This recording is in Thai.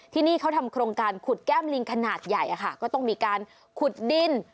ที่นี่เขาทำโครงการขุดแก้มลิงขนาดใหญ่ก็ต้องมีการขุดดิน